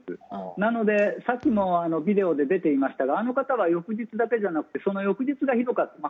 なので、さっきもビデオで出ていましたがあの方は翌日だけじゃなくてその翌日がひどかったと。